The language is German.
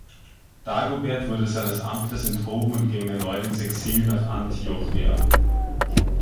Dagobert wurde seines Amtes enthoben und ging erneut ins Exil nach Antiochia.